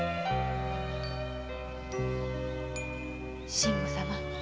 信吾様。